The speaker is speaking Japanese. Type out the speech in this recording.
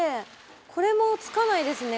これもつかないですね